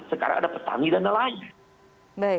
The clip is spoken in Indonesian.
sekarang ada petani dan lain lain